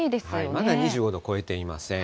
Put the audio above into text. まだ２５度を超えていません。